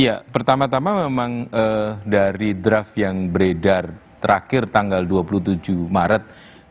ya pertama tama memang dari draft yang beredar terakhir tanggal dua puluh tujuh maret dua ribu dua puluh